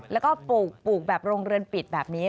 แล้วก็ปลูกแบบโรงเรือนปิดแบบนี้